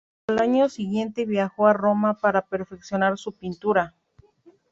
Al año siguiente viajó a Roma para perfeccionar su pintura.